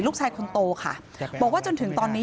ลูกชายคนโตค่ะบอกว่าจนถึงตอนนี้